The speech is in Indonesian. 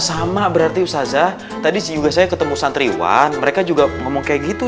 sama berarti usazah tadi juga saya ketemu santriwan mereka juga ngomong kayak gitu